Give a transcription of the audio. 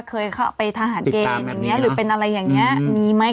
เคยเข้าไปทหารเกณฑ์อย่างนี้หรือเป็นอะไรอย่างนี้มีไหม